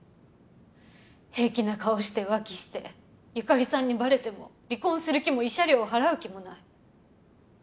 平気な顔して浮気して由香里さんにバレても離婚する気も慰謝料を払う気もない。